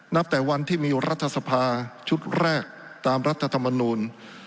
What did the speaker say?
แต่วันที่มีรัฐสภาชุดแรกตามรัฐธรรมนูล